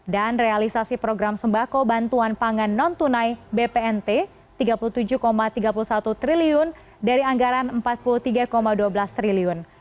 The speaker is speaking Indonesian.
dan realisasi program sembako bantuan pangan non tunai bpnt rp tiga puluh tujuh tiga puluh satu triliun dari anggaran rp empat puluh tiga dua belas triliun